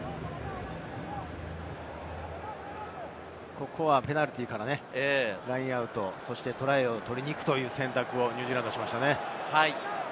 ここはペナルティーからラインアウト、そしてトライを取りに行くという選択をニュージーランドがしましたね。